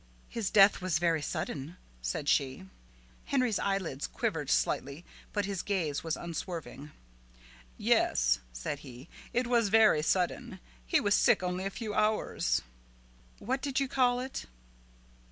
"His death was very sudden," said she. Henry's eyelids quivered slightly but his gaze was unswerving. "Yes," said he, "it was very sudden. He was sick only a few hours." "What did you call it?"